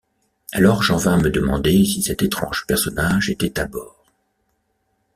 Alors j’en vins à me demander si cet étrange personnage était à bord.